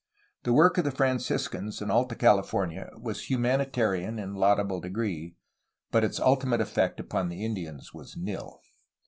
The work of the Franciscans in Alta Cali fornia was humanitarian in laudable degree, but its ultimate effect upon the Indians was nil.